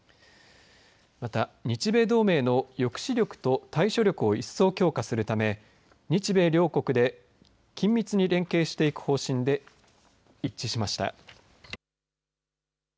また日米同盟の抑止力と対処力を一層強化するため日米両国で緊密に連携していく方針で一致しました。